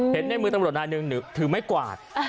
ในมือตำรวจนายหนึ่งถือไม้กวาด